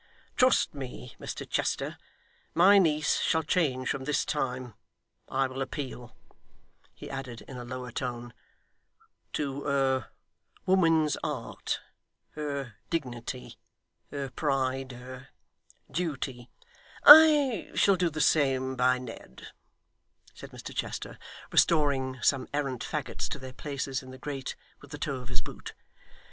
'Trust me, Mr Chester, my niece shall change from this time. I will appeal,' he added in a lower tone, 'to her woman's heart, her dignity, her pride, her duty ' 'I shall do the same by Ned,' said Mr Chester, restoring some errant faggots to their places in the grate with the toe of his boot.